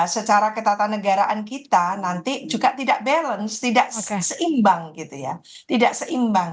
secara ketatanegaraan kita nanti juga tidak balance tidak seimbang gitu ya tidak seimbang